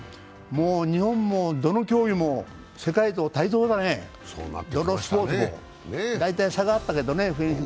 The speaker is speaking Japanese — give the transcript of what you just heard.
日本もどの競技も世界と対等だね、どのスポーツも。大体差があったけどね。